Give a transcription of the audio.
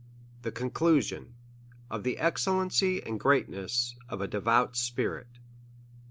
The Conclusion. Of the Excellenci/ and Greatness of a devout Spirit.